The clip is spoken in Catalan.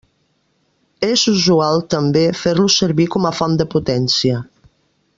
És usual també fer-lo servir com a font de potència.